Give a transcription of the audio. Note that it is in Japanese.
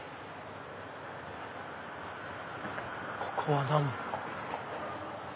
ここは何だ？